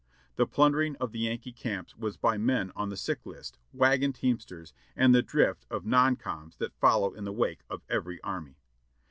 The plundering of the Yankee camps was by men on the sick list, wagon teamsters, and the drift of "non coms" that follow in the wake of every army.